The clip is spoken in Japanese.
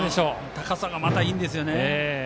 高さがいいんですよね。